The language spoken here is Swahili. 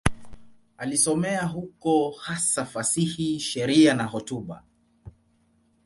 Alisomea huko, hasa fasihi, sheria na hotuba.